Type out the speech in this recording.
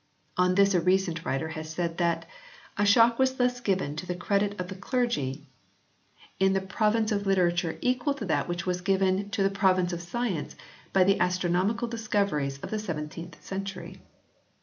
On this a recent writer has said that " a shock was thus given to the credit of the clergy in the province of litera 38 HISTORY OF THE ENGLISH BIBLE [CH. ture equal to that which was given in the province of science by the astronomical discoveries of the seventeenth century."